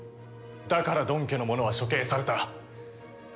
だからドン家の者は処刑された。